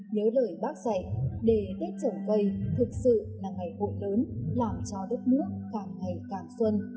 nhớ lời bác dạy để tết trồng cây thực sự là ngày hội lớn làm cho đất nước càng ngày càng xuân